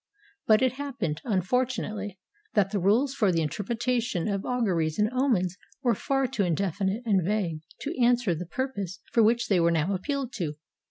But it happened, unfortunately, that the rules for the interpretation of auguries and omens were far too indefi nite and vague to answer the purpose for which they were now appealed to.